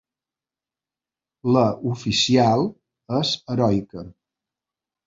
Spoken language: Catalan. La oficial es heroica.